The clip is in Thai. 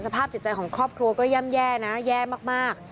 สภาพจิตใจของครอบครัวก็ย่ำแย่นะแย่มาก